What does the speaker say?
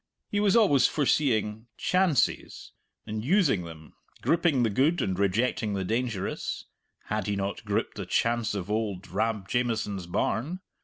He was always foreseeing "chances" and using them, gripping the good and rejecting the dangerous (had he not gripped the chance of auld Rab Jamieson's barn?